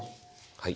はい。